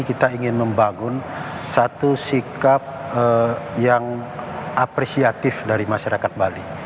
kita ingin membangun satu sikap yang apresiatif dari masyarakat bali